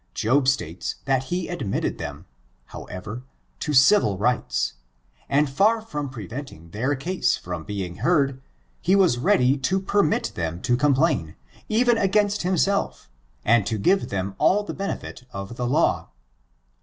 Job states that fie admitted them, however, to civil rights, and far from preventing their case from being heard, he was ready to permit them to complain, even against himself, and to give them all the benefit of the law."